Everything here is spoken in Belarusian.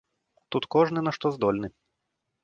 Тут кожны на што здольны.